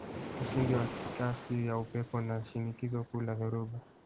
Msingi wa kasi ya upepo na shinikizo kuu la dhoruba